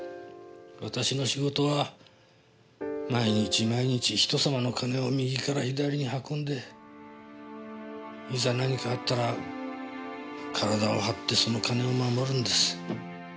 私の仕事は毎日毎日人様の金を右から左に運んでいざ何かあったら体を張ってその金を守るんです。